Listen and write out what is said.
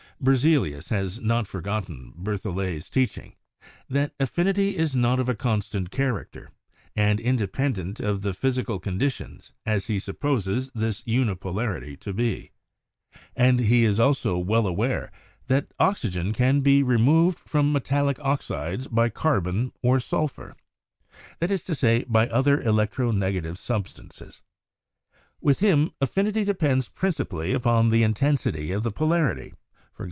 Berzelius has not forgotten Berthollet's teaching, that affinity is not of a constant character and independent of the physical condi tions, as he supposes this unipolarity to be; and he is also well aware that oxygen can be removed from metallic ox ides by carbon or sulphur — that is to say, by other electro negative substances. With him, affinity depends princi pally upon the intensity of the polarity — i.e.